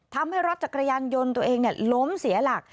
ทำให้รถจักรยานยนต์ตัวเองล้มเสียหลัก